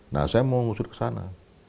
nah saya mau ngusut ke sana